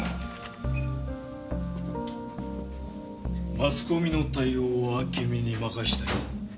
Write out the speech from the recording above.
マスコミの対応は君に任せたよ。